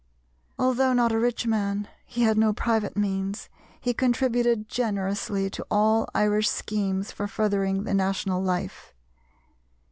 Although not a rich man (he had no private means) he contributed generously to all Irish schemes for furthering the National life.